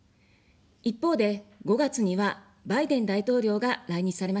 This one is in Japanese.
一方で、５月にはバイデン大統領が来日されましたね。